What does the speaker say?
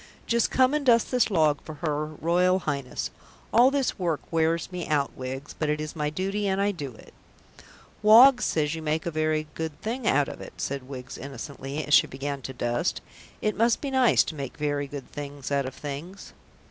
Just come and dust this log for her Royal Highness. All this work wears me out, Wiggs, but it is my duty and I do it." "Woggs says you make a very good thing out of it," said Wiggs innocently, as she began to dust. "It must be nice to make very good things out of things."